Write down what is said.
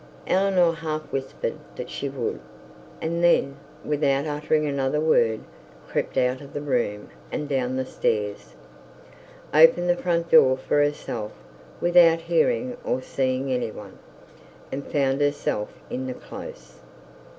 Eleanor half whispered that she would, and then without uttering another word, crept out of the room, and down the stairs, opened the front door for herself without hearing or seeing any one, and found herself in the close.